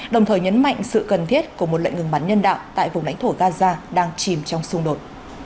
đồng thời nhấn mạnh sự cần thiết của một lệnh ngừng bắn nhân đạo tại vùng lãnh thổ gaza đang chìm trong xung đột